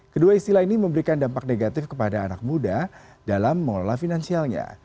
kedua istilah ini memberikan dampak negatif kepada anak muda dalam mengelola finansialnya